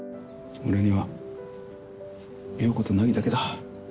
俺には陽子と凪だけだ。